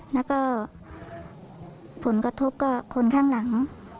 แล้วก็ผลกระทบกับคนข้างหลัง